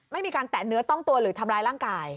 ไม่มีการแตะเนื้อต้องตัวหรือทำร้ายร่างกาย